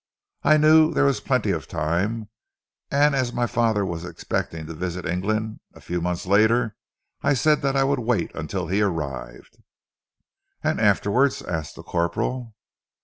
I knew there was plenty of time, and as my father was expecting to visit England a few months later, I said that I would wait until he arrived." "And afterwards?" asked the corporal.